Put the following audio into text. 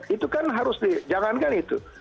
itu kan harus dijalankan itu